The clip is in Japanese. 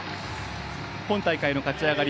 今大会の勝ち上がり。